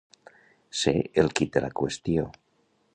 Ser el quid de la qüestió.